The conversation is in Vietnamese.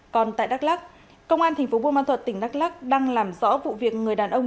còn tại đắk lắc công an thành phố buôn ma thuật tỉnh đắk lắc đang làm rõ vụ việc người đàn ông